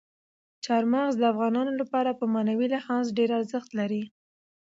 چار مغز د افغانانو لپاره په معنوي لحاظ ډېر ارزښت لري.